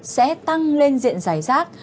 sẽ tăng lên diện giải rác